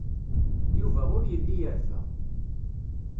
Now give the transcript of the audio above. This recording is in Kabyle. Yuba ur yelli yerfa.